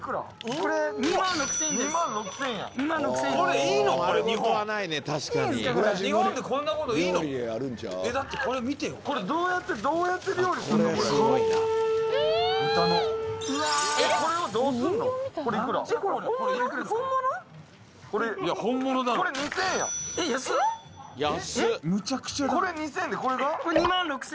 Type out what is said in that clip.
これ２０００円でこれが？